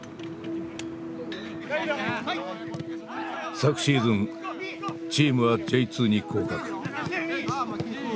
昨シーズンチームはＪ２に降格。